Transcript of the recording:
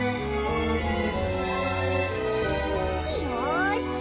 よし！